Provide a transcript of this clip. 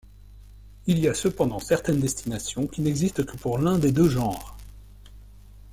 Il y a cependant certaines destination qui n'existent que pour l'un des deux genres.